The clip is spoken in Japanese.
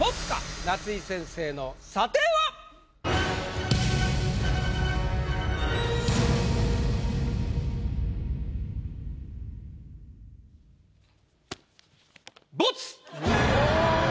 夏井先生の査定は⁉ボツ！